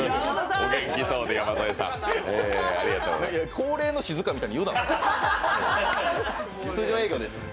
いや、恒例の静かみたいに言うなよ。